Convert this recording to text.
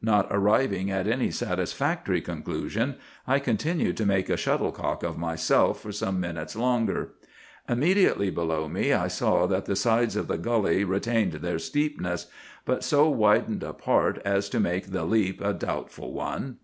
Not arriving at any satisfactory conclusion, I continued to make a shuttle cock of myself for some minutes longer. "Immediately below me I saw that the sides of the gully retained their steepness, but so widened apart as to make the leap a doubtful one.